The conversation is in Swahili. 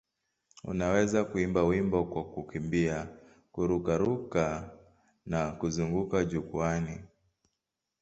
Unawezaje kuimba wimbo kwa kukimbia, kururuka na kuzunguka jukwaani?